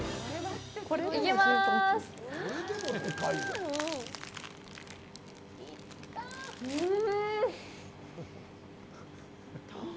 いきまーすうーん！